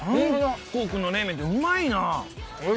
韓国の冷麺ってうまいな。